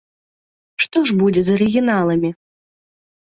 Што ж будзе з арыгіналамі?